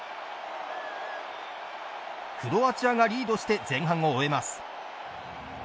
クロアチアがリードして前半を終えます。